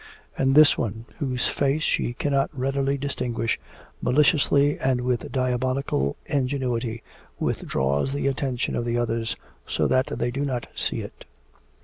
And this one, whose face she cannot readily distinguish, maliciously, and with diabolical ingenuity, withdraws the attention of the others, so that they do not see it.